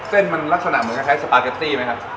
เส้นมันลักษณะเหมือนคล้ายสปาเกตตี้ไหมครับ